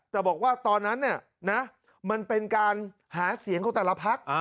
แต่บอกว่าตอนนั้นเนี่ยนะมันเป็นการหาเสียงของแต่ละพัก